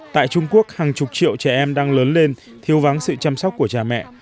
tại trung quốc hàng chục triệu trẻ em đang lớn lên thiêu vắng sự chăm sóc của cha mẹ